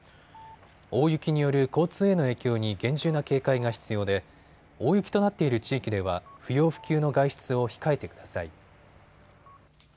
大雪による交通への影響に厳重な警戒が必要で大雪となっている地域では不要不急の外出を控えてください。